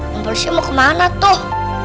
komporisi mau kemana tuh